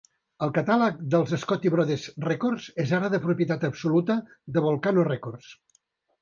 El catàleg dels Scotti Brothers Records és ara de propietat absoluta de Volcano Records.